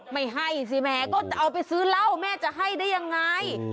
ไม่ให้สิแม่ก็จะเอาไปซื้อเหล้าแม่จะให้ได้ยังไง